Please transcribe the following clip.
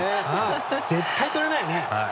絶対とれないよね。